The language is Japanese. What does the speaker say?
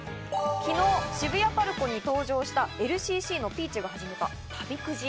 昨日、渋谷ＰＡＲＣＯに登場したＬＣＣのＰｅａｃｈが始めた旅くじ。